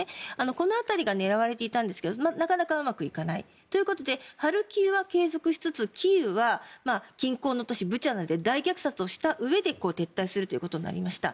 ここら辺が狙われていたんですがなかなかうまくいかないということでハルキウは継続しつつキーウは近郊の都市ブチャなどで大虐殺をしたうえで撤退をするということになりました。